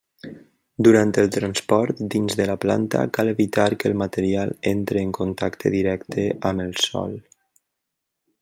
Durant el transport dins de la planta cal evitar que el material entre en contacte directe amb el sòl.